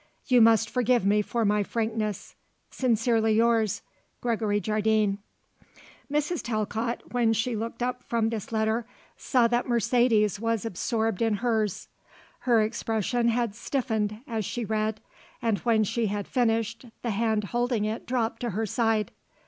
You must forgive me for my frankness. Sincerely yours, "Gregory Jardine." Mrs. Talcott when she looked up from this letter saw that Mercedes was absorbed in hers. Her expression had stiffened as she read, and when she had finished the hand holding it dropped to her side.